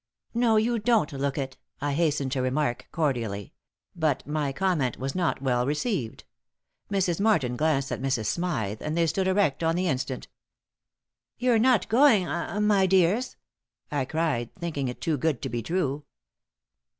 "No, you don't look it," I hastened to remark, cordially; but my comment was not well received. Mrs. Martin glanced at Mrs. Smythe, and they stood erect on the instant. "You're not going ah my dears?" I cried, thinking it too good to be true.